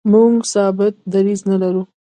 موږ ثابت دریځ نه لرو.